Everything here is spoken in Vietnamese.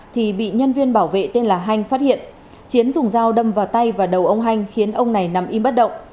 thì bị nhân viên bảo vệ tên là hanh phát hiện chiến dùng dao đâm vào tay và đầu ông hanh khiến ông này nằm im bất động